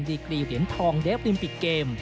ดีกรีเหรียญทองเดฟลิมปิกเกม